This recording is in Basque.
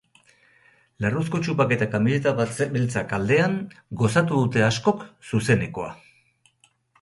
Larruzko txupak eta kamiseta beltzak aldean gozatu dute askok zuzenekoa.